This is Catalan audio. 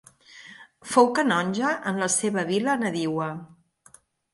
Fou canonge en la seva vila nadiua.